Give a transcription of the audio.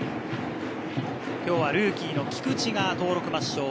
今日はルーキーの菊地が登録抹消。